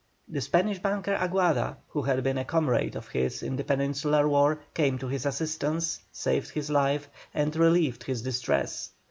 The Spanish banker Aguada, who had been a comrade of his in the Peninsular War, came to his assistance, saved his life, and relieved his distress.